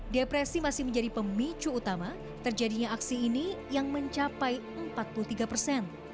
depresi masih menjadi pemicu utama terjadinya aksi ini yang mencapai empat puluh tiga persen